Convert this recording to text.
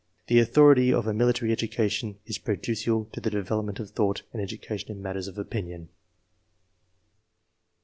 ] "The authority of a miKtary education is prejudicial to the develop ment of thought and education in matters of opinion."